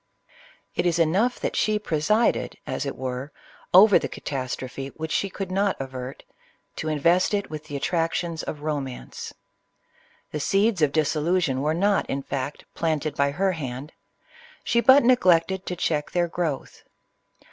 It is enough that ••V^VV r CLEOPATRA. 13 she presided, as it were, over the catastrophe which she could not avert, to invest it with the attractions of Romance. The seeds of dissolution were not, in fact, planted by her hand, — she but neglected to check their growth.